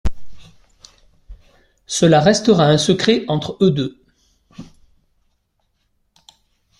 Cela restera un secret entre eux deux.